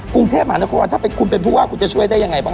คุณท่านนะคะว่าถ้าคุณเป็นผู้ว่าคุณจะช่วยได้ยังไงบ้าง